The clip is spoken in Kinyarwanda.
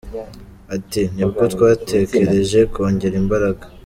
Ati, « Nibwo twatekereje kongera imbaraga.